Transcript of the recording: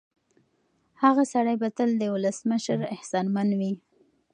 هغه سړی به تل د ولسمشر احسانمن وي.